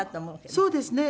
そうですね。